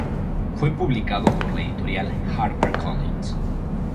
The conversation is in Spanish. Fue publicado por la editorial HarperCollins.